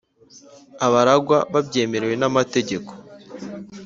abaragwa babyemerewe n’amategeko,